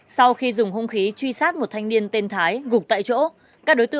sau khi dùng hông khí truy sát một thanh niên tên thái gục tại chỗ